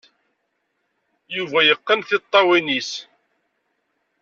Yuba yeqqen tiṭṭawin-is.